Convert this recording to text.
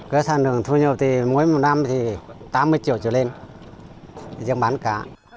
cái sản lượng thu nhập thì mỗi năm thì tám mươi triệu trở lên dân bán cá